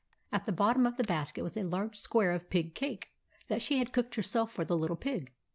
At the bottom of the basket was a large square of pig cake, that she had cooked herself for the Little Pig.